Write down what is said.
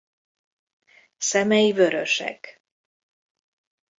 Szemei vörösek.